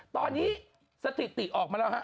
ตอนนี้สถิติออกมาแล้วฮะ